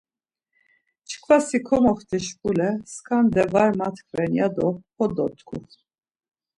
Çkva si komoxti şkule skanda var matkven ya do ho doktu.